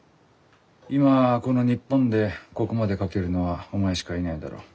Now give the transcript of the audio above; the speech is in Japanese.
今この日本でここまで描けるのはお前しかいないだろう。